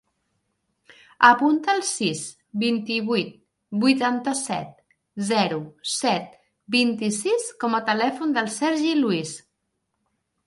Apunta el sis, vint-i-vuit, vuitanta-set, zero, set, vint-i-sis com a telèfon del Sergi Luis.